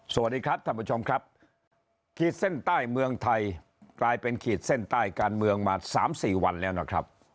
สวัสดีครับท่านผู้ชมครับขีดเส้นใต้เมืองไทยกลายเป็นขีดเส้นใต้การเมืองมา๓๔วันแล้วนะครับ